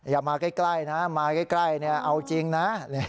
อย่ามาใกล้นะมาใกล้เอาจริงนะ